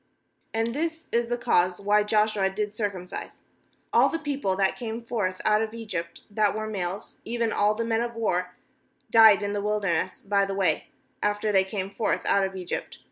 4And this is the cause why Joshua did circumcise: all the people that came forth out of Egypt, that were^ males, even all the men of war, died in the wilderness by the way, after they came forth out of Egypt.